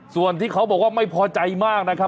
ส่วนที่เขาบอกว่าไม่พอใจมากนะครับ